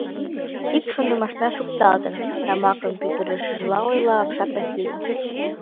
— Ик шонымашна шукталтын, — тамакым пӱтырышыжла, ойла апшат Васлий.